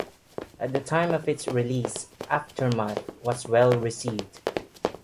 At the time of its release, "Aftermath" was well received.